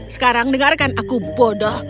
sekarang dengarkan aku bodoh